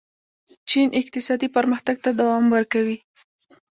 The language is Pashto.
چین اقتصادي پرمختګ ته دوام ورکوي.